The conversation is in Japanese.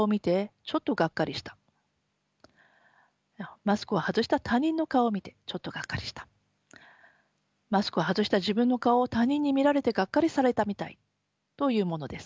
マスクを外した他人の顔を見てちょっとがっかりしたマスクを外した自分の顔を他人に見られてがっかりされたみたいというものです。